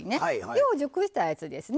よう熟したやつですね。